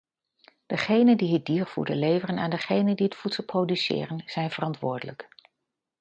Degenen die het diervoeder leveren aan degenen die het voedsel produceren zijn verantwoordelijk.